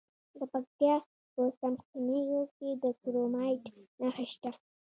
د پکتیا په څمکنیو کې د کرومایټ نښې شته.